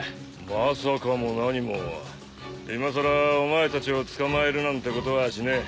まさかも何もいまさらお前たちを捕まえるなんてことはしねえ。